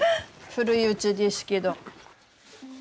古いうちですけど。